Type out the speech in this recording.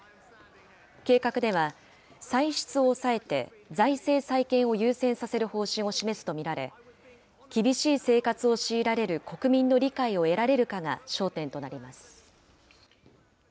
計画では、歳出を抑えて財政再建を優先させる方針を示すと見られ、厳しい生活を強いられる国民の理解を得られるかが焦点となります。